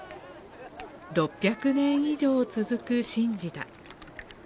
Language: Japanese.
６００年以上続く神事だ。